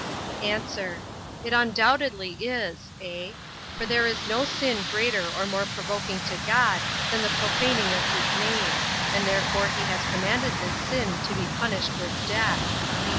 A. It undoubtedly is, (a) for there is no sin greater or more provoking to God, than the profaning of his name; and therefore he has commanded this sin to be punished with death.